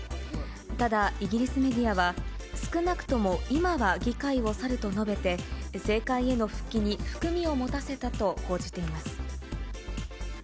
ただ、イギリスメディアは、少なくとも今は議会を去ると述べて、政界への復帰に含みを持たせたと報じています。